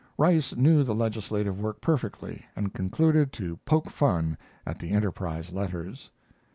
Rice knew the legislative work perfectly and concluded to poke fun at the Enterprise letters.